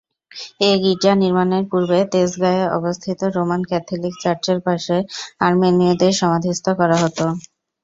এ গির্জা নির্মাণের পূর্বে তেজগাঁয়ে অবস্থিত রোমান ক্যাথলিক চার্চের পার্শ্বে আর্মেনীয়দের সমাধিস্থ করা হতো।